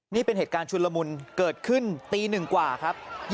นี่เป็นเหตุการณ์ชุนละมุนเกิดขึ้นตี๑กว่าครับ